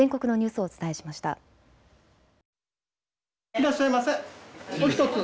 いらっしゃいませおひとつ。